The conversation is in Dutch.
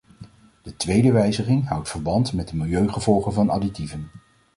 De tweede wijziging houdt verband met de milieugevolgen van additieven.